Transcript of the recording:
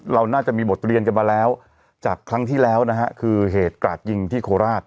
เราน่าจะมีบทเรียนกันมาแล้วจากครั้งที่แล้วนะฮะคือเหตุกราดยิงที่โคราช